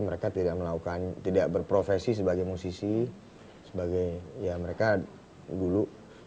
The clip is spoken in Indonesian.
mereka tidak melakukan tidak berprofesi sebagai musisi sebagai ya mereka dulu